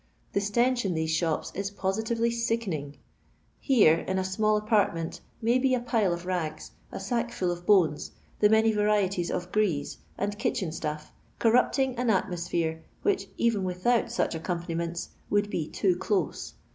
The stench in these shops is positively sickening. Here in a small apartment may be a pile of rags, a sack full of bones, the many varieties of grease and " kitchen stuff,'' corrupting an atmosphere which, even without such accompaniments, would be too close.